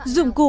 theo giai đoạn